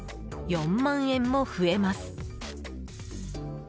４万円も増えます。